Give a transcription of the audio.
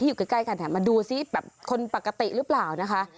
อยู่ใกล้กันมาดูซิแบบคนปกติหรือเปล่านะคะ